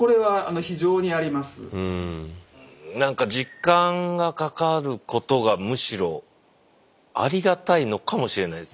何か時間がかかることがむしろありがたいのかもしれないです。